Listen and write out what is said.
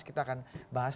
kita akan bahas